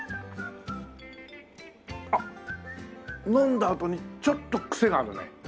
あっ飲んだあとにちょっとクセがあるね。